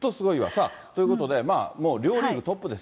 さあということで、もう両リーグトップです。